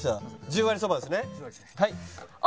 十割そばですね。